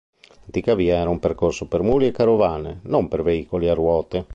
L'antica via era un percorso per muli e carovane, non per veicoli a ruote.